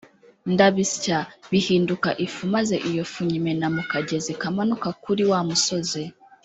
ndabisya, bihinduka ifu, maze iyo fu nyimena mu kagezi kamanuka kuri wa musozi.